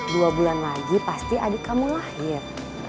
dua bulan lagi pasti adik kamu lahir